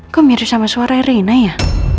kok mirip sama suara rina ya